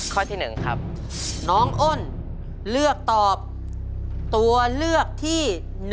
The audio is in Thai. ข้อที่๑ครับน้องอ้นเลือกตอบตัวเลือกที่๑